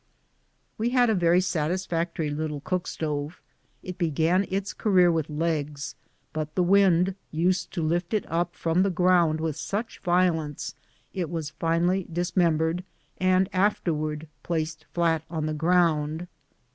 We had a very satisfactory little cook stove. It began its career with legs, but the wind used to lift it up from the ground with such violence it was finally dismembered, and afterwards placed flat on the ground.